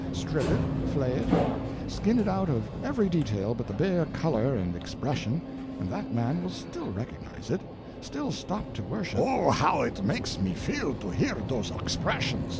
Strip it, flay it, skin it out of every detail but the bare color and expression, and that man will still recognize it—still stop to worship—" "Oh, how it makes me feel to hear dose oxpressions!